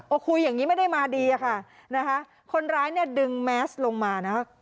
คุยอย่างนี้ไม่ได้มาดีอะค่ะนะคะคนร้ายเนี่ยดึงแมสลงมานะคะ